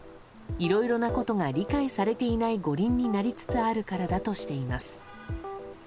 いろいろなことが理解されていない五輪になりつつあるからだとしています。